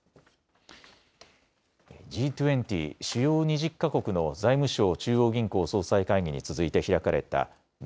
Ｇ２０・主要２０か国の財務相・中央銀行総裁会議に続いて開かれたＧ７